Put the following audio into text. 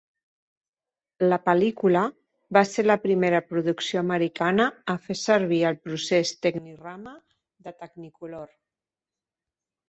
La pel·lícula va ser la primera producció americana a fer servir el procés Technirama de Technicolor.